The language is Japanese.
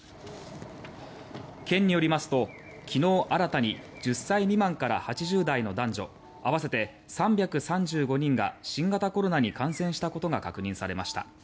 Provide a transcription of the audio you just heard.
県によりますと昨日新たに１０歳未満から８０代の男女合わせて３３５人が新型コロナに感染したことが確認されました。